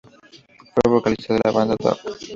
Fue vocalista de la banda "Dog".